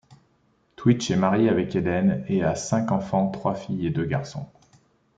Twitch est marié avec Helen et à cinq enfants, trois filles et deux garçons.